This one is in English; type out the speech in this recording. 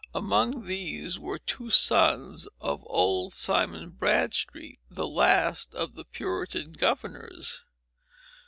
Among these were two sons of old Simon Bradstreet, the last of the Puritan governors.